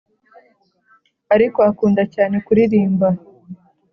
ariko akunda cyane kuririmba